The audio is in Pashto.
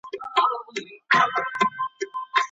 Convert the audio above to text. که معلومات پټ سي راتلونکی به خراب سي.